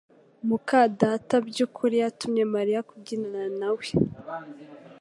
muka data mubyukuri yatumye Mariya kubyinana nawe